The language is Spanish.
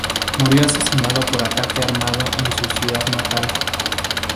Murió asesinado por ataque armado en su ciudad natal.